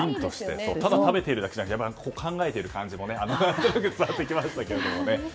ただ食べているだけじゃなくて考えている感じも伝わってきましたけどね。